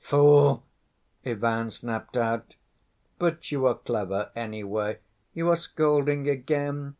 "Fool!" Ivan snapped out. "But you are clever, anyway. You are scolding again?